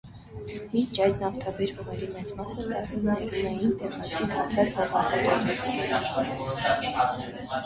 Մինչ այդ, նավթաբեր հողերի մեծ մասը տնօրինում էին տեղացի թաթար հողատերերը։